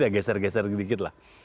ya geser geser sedikit lah